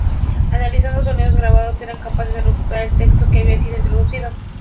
Analizando sonidos grabados, eran capaces de recuperar el texto que había sido introducido.